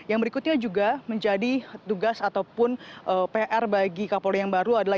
yang berikutnya juga menjadi tugas ataupun pr bagi kapolri yang baru adalah